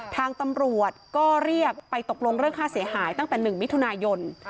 ทางตำรวจก็เรียกไปตกลงเรื่องค่าเสียหายตั้งแต่๑มิถุนายน